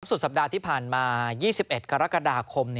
สุดสัปดาห์ที่ผ่านมา๒๑กรกฎาคม